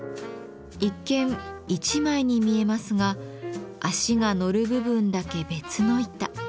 一見一枚に見えますが足が乗る部分だけ別の板。